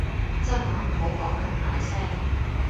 真話唔好講咁大聲